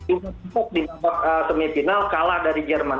inggris menang di semifinal kalah dari jerman